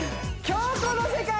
京子の世界？